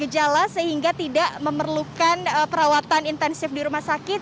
gejala sehingga tidak memerlukan perawatan intensif di rumah sakit